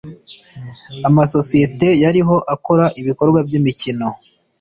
amasosiyeti yariho akora ibikorwa by imikino